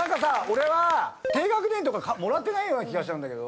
俺は低学年とかもらってないような気がしたんだけど。